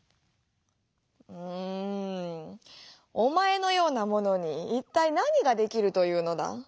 「うんおまえのようなものにいったいなにができるというのだ？」。